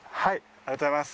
ありがとうございます。